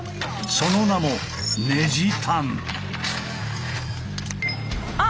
その名もあ！